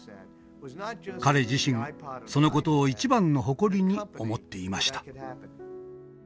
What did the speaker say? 彼自身その事を一番の誇りに思っていました。